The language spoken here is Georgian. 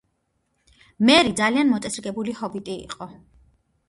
მერი ძალიან მოწესრიგებული ჰობიტი იყო.